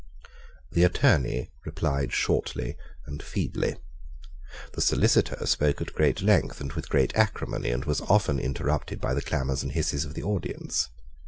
The Attorney replied shortly and feebly. The Solicitor spoke at great length and with great acrimony, and was often interrupted by the clamours and hisses of the audience.